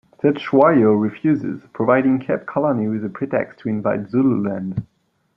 Cetshwayo refuses, providing Cape Colony with a pretext to invade Zululand.